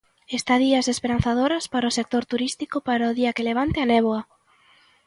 Estadías esperanzadoras para o sector turístico para o día que levante a néboa.